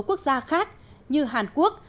quốc gia khác như hàn quốc